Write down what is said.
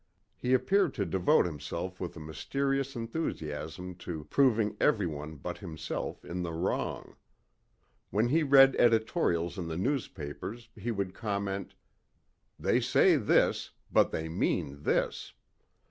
He appeared to devote himself with a mysterious enthusiasm to proving everyone but himself in the wrong. When he read editorials in the newspapers he would comment, "They say this. But they mean this."